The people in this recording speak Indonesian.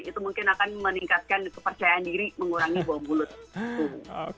itu mungkin akan meningkatkan kepercayaan diri mengurangi bau mulut tubuh